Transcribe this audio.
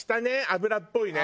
油っぽいね。